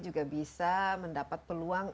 juga bisa mendapat peluang